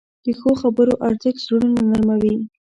د ښو خبرو ارزښت زړونه نرموې.